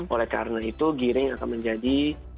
oleh karena itu giring akan menjadi